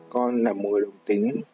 con là một người đồng tính